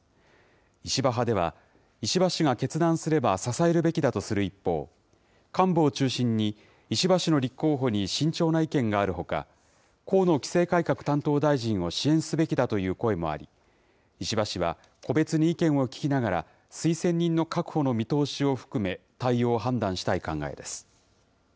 石破派では、石破氏が決断すれば支えるべきだとする一方、幹部を中心に、石破氏の立候補に慎重な意見があるほか、河野規制改革担当大臣を支援すべきだという声もあり、石破氏は個別に意見を聞きながら、推薦人の確保の見通しを含め、対応を判断したい考えです。